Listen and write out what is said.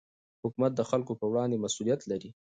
حکومت د خلکو پر وړاندې مسوولیت لري